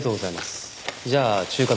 じゃあ中華丼で。